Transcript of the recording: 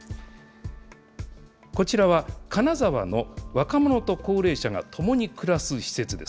こちらは、金沢の若者と高齢者が共に暮らす施設です。